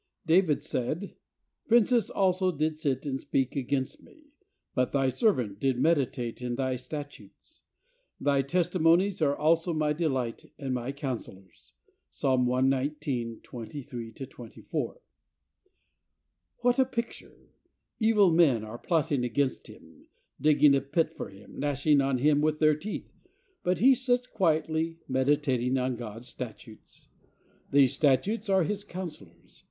David said, "Princes also did sit and speak against me; but Thy servant did meditate in Thy statutes. Thy testimonies are also my de light and my counsellors/' (Psalms 119: 23 24.) What a picture! Evil men are plotting against him, digging a pit for him, gnashing on him with their teeth, but he sits quietly meditating on God's statutes. These statutes are his counsellors.